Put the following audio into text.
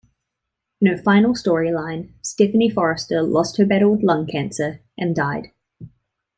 In her final storyline, Stephanie Forrester lost her battle with lung cancer, and died.